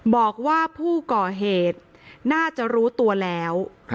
บอกว่าผู้ก่อเหตุน่าจะรู้ตัวแล้ว